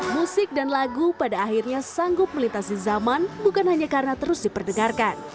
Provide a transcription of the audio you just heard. musik dan lagu pada akhirnya sanggup melintasi zaman bukan hanya karena terus diperdengarkan